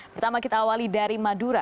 pertama kita awali dari madura